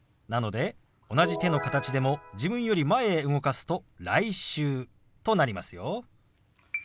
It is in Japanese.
なので同じ手の形でも自分より前へ動かすと「来週」となりますよ。